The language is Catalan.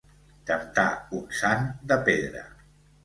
Temptar un sant de pedra.